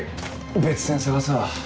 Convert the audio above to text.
別線捜すわ。